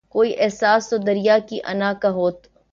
کوئی احساس تو دریا کی انا کا ہوت